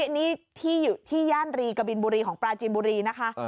นี่ที่อยู่ที่ย่านรีกบินบุรีของปลาจีนบุรีนะคะ